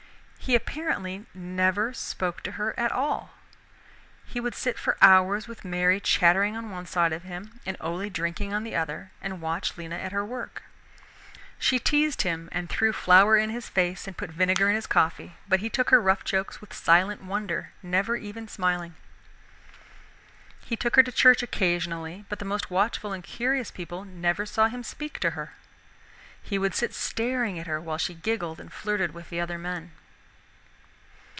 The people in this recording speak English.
He apparently never spoke to her at all: he would sit for hours with Mary chattering on one side of him and Ole drinking on the other and watch Lena at her work. She teased him, and threw flour in his face and put vinegar in his coffee, but he took her rough jokes with silent wonder, never even smiling. He took her to church occasionally, but the most watchful and curious people never saw him speak to her. He would sit staring at her while she giggled and flirted with the other men.